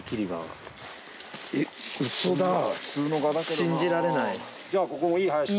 信じられない。